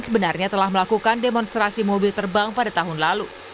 sebenarnya telah melakukan demonstrasi mobil terbang pada tahun lalu